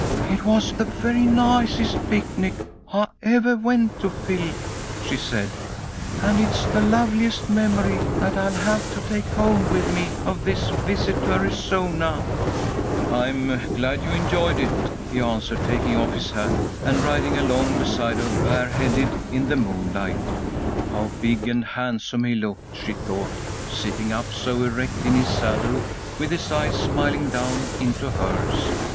"It was the very nicest picnic I evah went to, Phil," she said, "and it's the loveliest memory that I'll have to take home with me of this visit to Arizona." "I'm glad you enjoyed it," he answered, taking off his hat, and riding along beside her bareheaded in the moonlight. How big and handsome he looked, she thought, sitting up so erect in his saddle, with his eyes smiling down into hers.